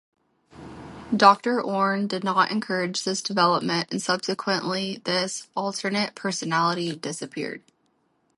Doctor Orne did not encourage this development and subsequently this "alternate personality" disappeared.